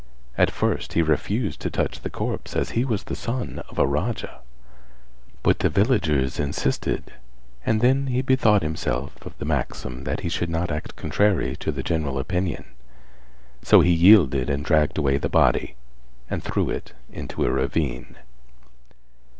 At first he refused to touch the corpse as he was the son of a Raja, but the villagers insisted and then he bethought himself of the maxim that he should not act contrary to the general opinion; so he yielded and dragged away the body, and threw it into a ravine.